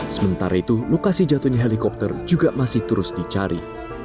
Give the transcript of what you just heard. sementara itu lokasi jatuhnya helikopter juga masih terus dicari